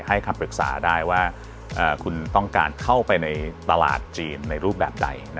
คำปรึกษาได้ว่าคุณต้องการเข้าไปในตลาดจีนในรูปแบบใด